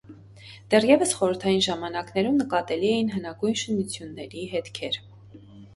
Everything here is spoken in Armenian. Դեռևս խորհրդային ժամանակներում նկատելի էին հնագույն շինությունների հետքեր։